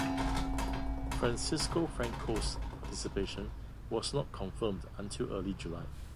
Francisco Franco's participation was not confirmed until early July.